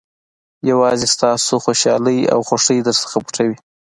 یوازې ستاسو خوشالۍ او خوښۍ درڅخه پټوي.